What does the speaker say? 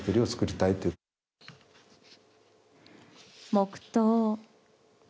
黙とう。